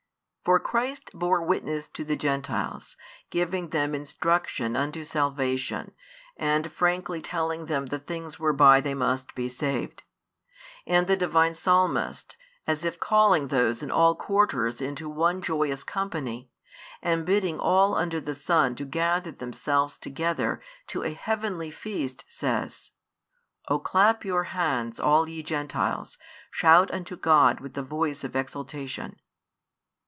For Christ bore witness to the Gentiles, giving them instruction unto salvation, and frankly telling them the things whereby they must be saved. And the Divine Psalmist, as if calling those in all quarters into one joyous company, and bidding all under the sun to gather themselves together to a heavenly feast says: O clap your |88 hands, all ye Gentiles; shout unto God with the voice of exultation.